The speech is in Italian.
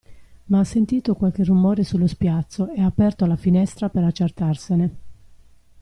Ma ha sentito qualche rumore sullo spiazzo e ha aperto la finestra per accertarsene.